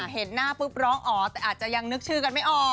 เห็นหน้าปุ๊บร้องอ๋อแต่อาจจะยังนึกชื่อกันไม่ออก